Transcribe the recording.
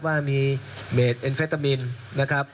ว่ามีเมดเอ็นเฟตามินนะครับ